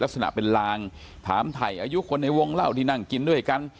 ลักษณะเป็นลางถามถ่ายอายุคนในวงเล่าที่นั่งกินด้วยกัน